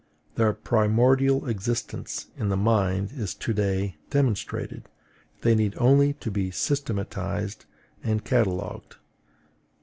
Their primordial existence in the mind is to day demonstrated; they need only to be systematized and catalogued.